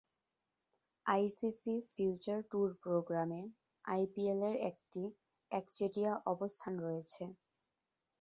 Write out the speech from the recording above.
ICC future tour প্রোগ্রামে আইপিএলের একটি একচেটিয়া অবস্থান রয়েছে।